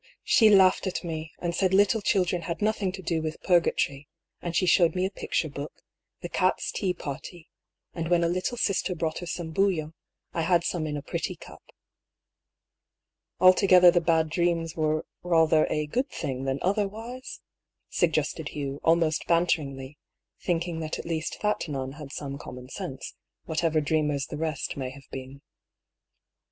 she laughed at me, and said little children had nothing to do with Purgatory ; and she showed me a picture book, The Cats^ Tea Party ^ and when a lay sister brought her some bouillon^ I had some in a pretty cup." "Altogether the bad dreams were rather a good thing than otherwise ?" suggested Hugh, almost ban MERCEDEa 206 teringly, thinking that at least that nun had some common sense, whatever dreamers the rest may have been.